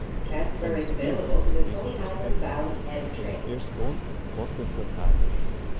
En skriuwe die se dus ek noch, yn it earstoan koarte ferhalen.